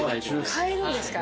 買えるんですか？